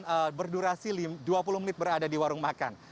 dan berdurasi dua puluh menit berada di warung makan